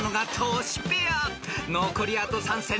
［残りあと３戦］